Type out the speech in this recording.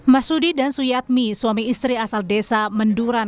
mas sudi dan suyatmi suami istri asal desa menduran